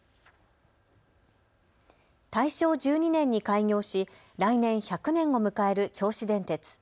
大正１２年に開業し来年１００年を迎える銚子電鉄。